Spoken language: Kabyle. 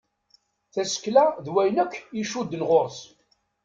Tasekla d wayen akk i icudden ɣur-s.